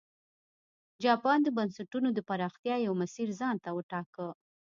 جاپان د بنسټونو د پراختیا یو مسیر ځان ته وټاکه.